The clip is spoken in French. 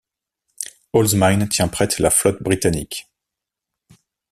Allsmine tient prête la flotte britannique.